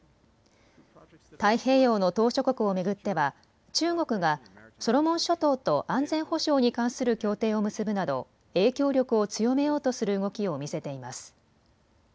太平洋の島しょ国を巡っては中国がソロモン諸島と安全保障に関する協定を結ぶなど影響力を強めようとする動きを見せています。